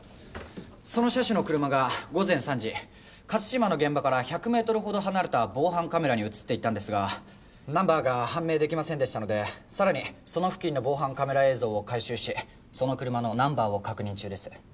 その車種の車が午前３時勝島の現場から１００メートルほど離れた防犯カメラに映っていたんですがナンバーが判明出来ませんでしたのでさらにその付近の防犯カメラ映像を回収しその車のナンバーを確認中です。